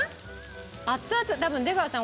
熱々多分出川さん